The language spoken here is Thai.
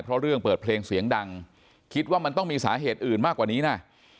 เพราะเรื่องเปิดเพลงเสียงดังคิดว่ามันต้องมีสาเหตุอื่นมากกว่านี้นะ